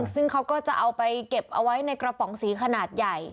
ซึ่งเขาก็จะเอาไปเก็บเอาไว้ในกระป๋องสีขนาดใหญ่